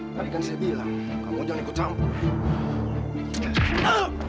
tadi kan saya bilang kamu jangan ikut campur